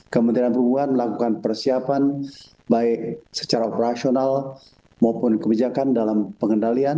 kementerian perhubungan melakukan persiapan baik secara operasional maupun kebijakan dalam pengendalian